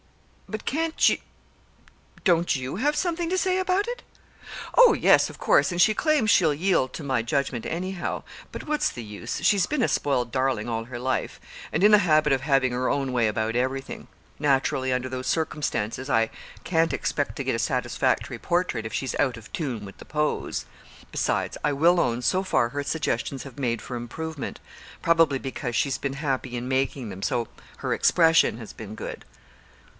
"But can't you don't you have something to say about it?" "Oh, yes, of course; and she claims she'll yield to my judgment, anyhow. But what's the use? She's been a spoiled darling all her life, and in the habit of having her own way about everything. Naturally, under those circumstances, I can't expect to get a satisfactory portrait, if she's out of tune with the pose. Besides, I will own, so far her suggestions have made for improvement probably because she's been happy in making them, so her expression has been good."